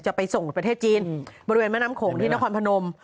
จะไปส่งประเทศจีนบริเวณแม่น้ำโขงที่นครพนม